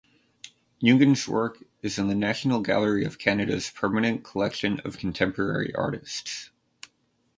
Jungen's work is in the National Gallery of Canada's permanent collection of contemporary artists.